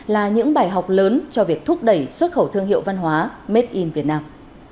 là những bài học lớn cho việc thúc đẩy xuất khẩu thương hiệu văn hóa made in việt nam